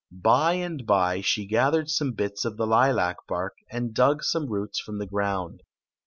By and by she gathered some bits of the lilac bark, and dug some roots from the ground.